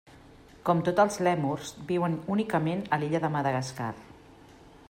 Com tots els lèmurs, viuen únicament a l'illa de Madagascar.